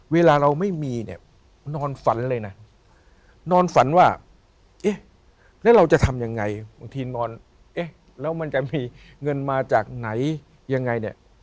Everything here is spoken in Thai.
เวลาเราไม่มีเนี่ยนอนฝันเลยนะนอนฝันว่าเอ๊ะแล้วเราจะทำยังไงบางทีนอนเอ๊ะแล้วมันจะมีเงินมาจากไหนยังไงเนี่ย